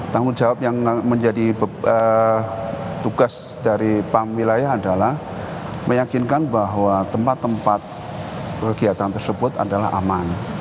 tanggung jawab yang menjadi tugas dari pam wilayah adalah meyakinkan bahwa tempat tempat kegiatan tersebut adalah aman